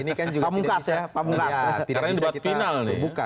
ini kan juga tidak bisa kita buka